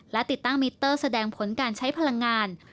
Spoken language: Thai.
และติดตั้งมิเตอร์แสดงผลการใช้พลังงาน